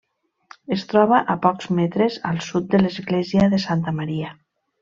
Es troba a pocs metres al sud de l'església de Santa Maria.